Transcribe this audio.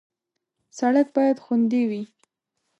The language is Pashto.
سړک باید خوندي وي.